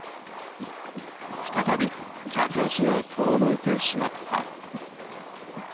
再び客足が遠のいてしまった。